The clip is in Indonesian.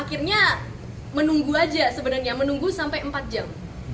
akhirnya menunggu aja sebenarnya menunggu sampai empat jam